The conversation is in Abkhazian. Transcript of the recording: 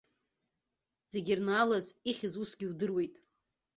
Зегьы ирнаалаз ихьыз усгьы иудыруеит.